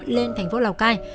lên thành phố lào cai